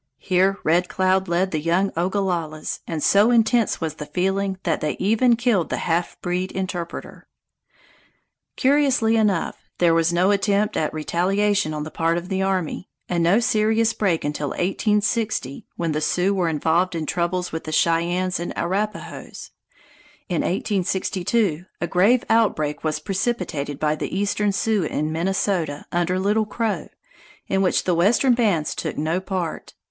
Here Red Cloud led the young Ogallalas, and so intense was the feeling that they even killed the half breed interpreter. Curiously enough, there was no attempt at retaliation on the part of the army, and no serious break until 1860, when the Sioux were involved in troubles with the Cheyennes and Arapahoes. In 1862, a grave outbreak was precipitated by the eastern Sioux in Minnesota under Little Crow, in which the western bands took no part.